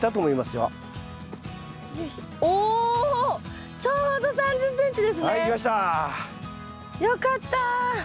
よかった！